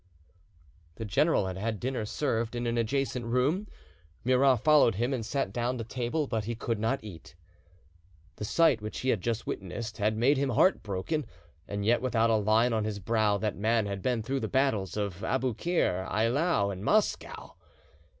The general had had dinner served in an adjacent room. Murat followed him and sat down to table, but he could not eat. The sight which he had just witnessed had made him heartbroken, and yet without a line on his brow that man had been through the battles of Aboukir, Eylau, and Moscow!